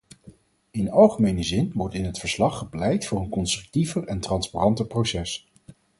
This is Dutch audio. In algemene zin wordt in het verslag gepleit voor een constructiever en transparanter proces.